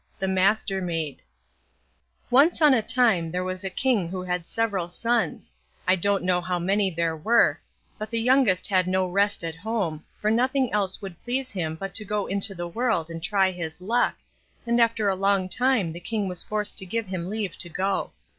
THE MASTERMAID Once on a time there was a king who had several sons—I don't know how many there were—but the youngest had no rest at home, for nothing else would please him but to go out into the world and try his luck, and after a long time the king was forced to give him leave to go.